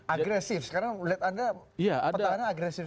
agresif sekarang lihat anda petahana agresif